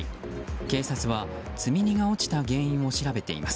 警察は積み荷が落ちた原因を調べています。